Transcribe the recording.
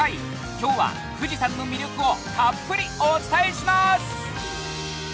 今日は富士山の魅力をたっぷりお伝えします！